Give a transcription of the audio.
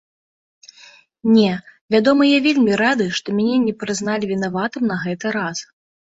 Не, вядома, я вельмі рады, што мяне не прызналі вінаватым на гэты раз!